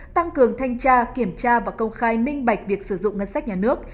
tăng cường thanh tra kiểm tra và công khai minh bạch việc sử dụng ngân sách nhà nước